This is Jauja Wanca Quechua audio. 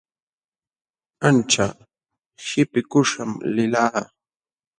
Ancha qipikuśham lilqaa.